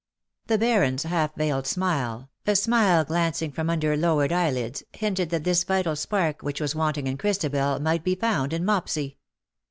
''^ The Baron^s half veiled smile, a smile glancing from under lowered eyelids, hinted that this vital spark w^hich was wanting in Christabel might be found in Mopsy.